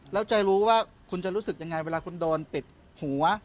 แล้วจะรู้ว่าคุณจะรู้สึกยังไงเวลาคุณโดนปิดหัว